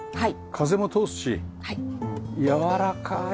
風も通すしやわらかい感じよね。